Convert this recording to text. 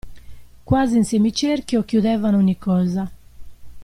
Quasi in semicerchio, chiudevano ogni cosa.